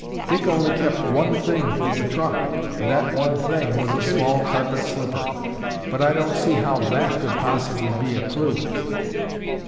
Dick only kept one thing from the trunk, and that one thing was a small carpet slipper. But I don't see how that could possibly be a clue."